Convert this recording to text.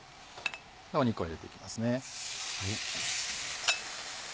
肉を焼いていきますね。